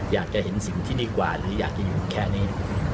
อยากจะเห็นสิ่งที่ดีกว่าหรืออยากจะอยู่แค่นี้